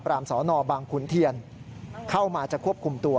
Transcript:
มสนบางขุนเทียนเข้ามาจะควบคุมตัว